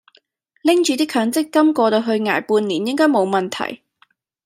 拎住啲強積金過到去捱半年應該冇問題